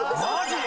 マジ？